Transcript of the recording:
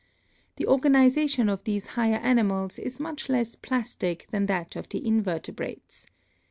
The 274 BIOLOGY organization of these higher animals is much less plastic than that of the invertebrates.